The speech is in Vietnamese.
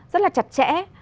rất là chặt chẽ